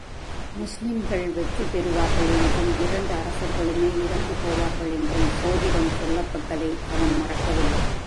முஸ்லீம்கள் வெற்றி பெறுவார்கள் என்றும் இரண்டு அரசர்களுமே இறந்து போவார்களென்றும், சோதிடம் சொல்லப்பட்டதை அவன் மறக்கவில்லை.